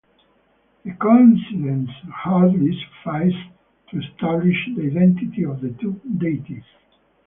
The coincidence hardly suffices to establish the identity of the two deities.